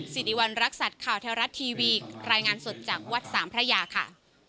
สิริวัณรักษัตริย์ข่าวแท้รัฐทีวีรายงานสดจากวัดสามพระยาค่ะ